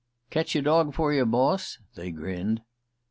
"Ketch yer dog for yer, boss?" they grinned.